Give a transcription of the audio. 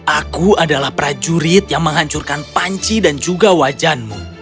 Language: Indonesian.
aku adalah prajurit yang menghancurkan panci dan juga wajanmu